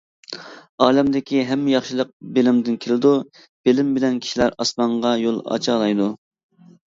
ئالەمدىكى ھەممە ياخشىلىق بىلىمدىن كېلىدۇ، بىلىم بىلەن كىشىلەر ئاسمانغا يول ئاچالايدۇ.